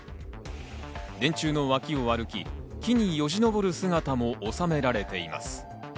電柱の脇を歩き、木によじ登る姿も収められています。